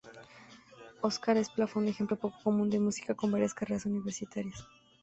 Óscar Esplá fue un ejemplo poco común de músico con varias carreras universitarias.